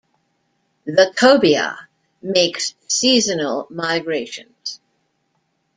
The cobia makes seasonal migrations.